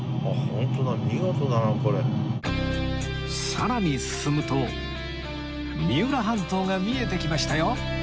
さらに進むと三浦半島が見えてきましたよ